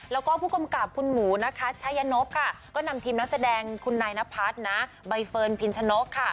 แล้วก็ผู้กำกับคุณหมูนะคะชายนพค่ะก็นำทีมนักแสดงคุณนายนพัฒน์นะใบเฟิร์นพินชนกค่ะ